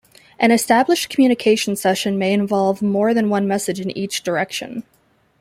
An established communication session may involve more than one message in each direction.